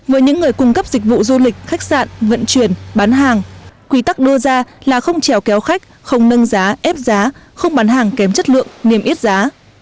với những người cung cấp dịch vụ du lịch khách sạn vận chuyển bán hàng quy tắc đưa ra là không trèo kéo khách không nâng giá ép giá không bán hàng kém chất lượng niêm yết giá